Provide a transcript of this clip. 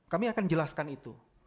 kami akan jelaskan itu